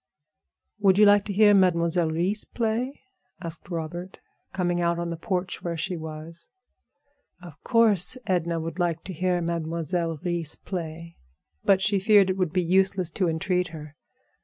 "Would you like to hear Mademoiselle Reisz play?" asked Robert, coming out on the porch where she was. Of course Edna would like to hear Mademoiselle Reisz play; but she feared it would be useless to entreat her.